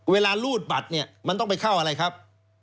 รูดบัตรเนี่ยมันต้องไปเข้าอะไรครับ